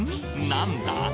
なんだ？